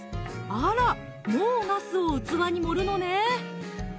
あらもうおなすを器に盛るのね